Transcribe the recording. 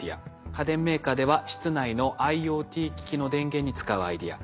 家電メーカーでは室内のＩｏＴ機器の電源に使うアイデア。